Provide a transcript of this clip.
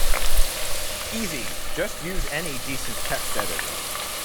Easy, just use any decent text editor.